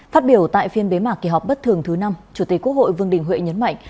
phát biểu tại phiên bế mạc kỳ họp bất thường thứ năm chủ tịch quốc hội vương đình huệ nhấn mạnh